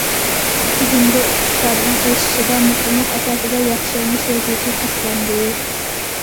جۇڭگو ئىقتىسادىنىڭ ئېشىشىدا مۇقىملىق ئاساسىدا ياخشىلىنىش ۋەزىيىتى ساقلاندى.